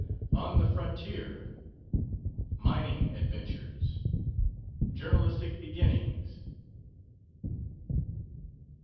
ON THE FRONTIER. MINING ADVENTURES. JOURNALISTIC BEGINNINGS.